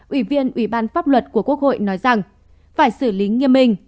ủy viên ủy ban pháp luật của quốc hội nói rằng phải xử lý nghiêm minh